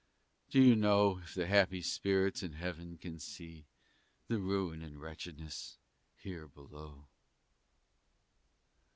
Do you know If the happy spirits in heaven can see The ruin and wretchedness here below?